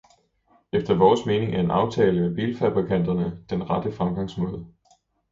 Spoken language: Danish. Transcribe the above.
Efter vores mening er en aftale med bilfabrikanterne den rette fremgangsmåde.